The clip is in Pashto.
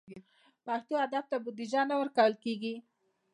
پښتو ادب ته بودیجه نه ورکول کېږي.